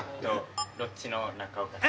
ロッチの中岡さん。